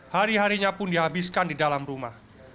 hari harinya pun dihabiskan di dalam rumah